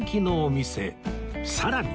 さらに